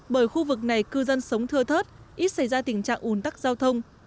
bởi khu vực này cư dân sống thưa thớt ít xảy ra tình trạng ủn tắc giao thông